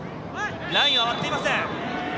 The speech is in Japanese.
ラインは割っていません。